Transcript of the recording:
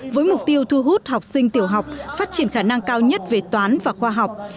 với mục tiêu thu hút học sinh tiểu học phát triển khả năng cao nhất về toán và khoa học